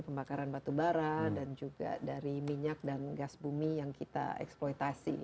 perubahannya yang lebih cepat